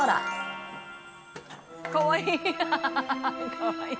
かわいい！